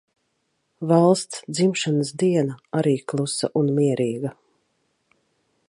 Valsts dzimšanas diena arī klusa un mierīga.